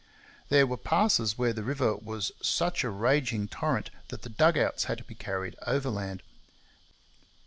There were passes where the river was such a raging torrent that the dug outs had to be carried overland.